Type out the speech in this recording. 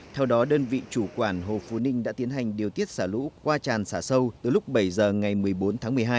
theo đó đơn vị chủ quản hồ phú ninh đã tiến hành điều tiết xả lũ qua tràn xả sâu từ lúc bảy giờ ngày một mươi bốn tháng một mươi hai